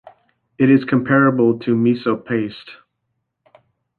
It is comparable to miso paste.